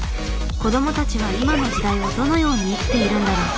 子どもたちは今の時代をどのように生きているんだろう。